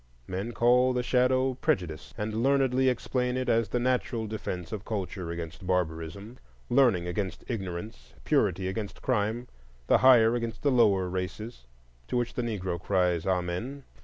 Men call the shadow prejudice, and learnedly explain it as the natural defence of culture against barbarism, learning against ignorance, purity against crime, the "higher" against the "lower" races. To which the Negro cries Amen!